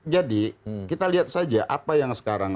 jadi kita lihat saja apa yang sekarang